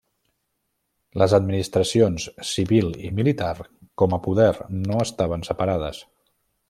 Les administracions civil i militar, com a poder, no estaven separades.